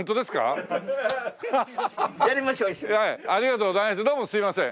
ありがとうございます。